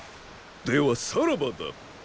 ではさらばだ！